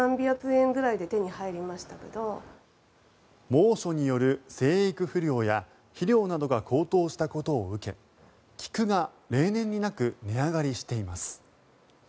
猛暑による生育不良や肥料などが高騰したことを受け菊が例年になく値上がりしています。